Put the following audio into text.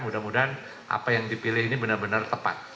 mudah mudahan apa yang dipilih ini benar benar tepat